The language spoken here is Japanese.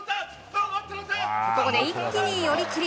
ここで一気に寄り切り。